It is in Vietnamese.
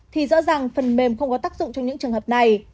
thì rõ ràng phân mêm không có tác dụng trong những trường hợp này